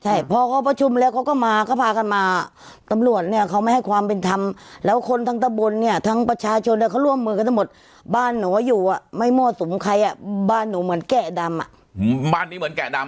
ใช่พอเขาประชุมแล้วเขาก็มาเขาพากันมาตำรวจเนี่ยเขาไม่ให้ความเป็นธรรมแล้วคนทั้งตะบนเนี่ยทั้งประชาชนเนี่ยเขาร่วมมือกันทั้งหมดบ้านหนูอยู่อ่ะไม่มั่วสุมใครอ่ะบ้านหนูเหมือนแกะดำอ่ะบ้านนี้เหมือนแกะดำ